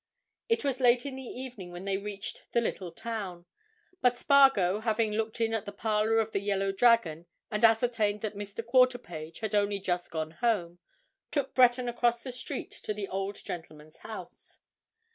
It was late in the evening when they reached the little town, but Spargo, having looked in at the parlour of the "Yellow Dragon" and ascertained that Mr. Quarterpage had only just gone home, took Breton across the street to the old gentleman's house.